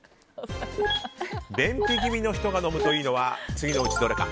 便秘気味の人が飲むといいのは次のうちどれか。